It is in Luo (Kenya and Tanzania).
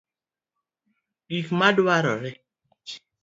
Gik ma dwarore;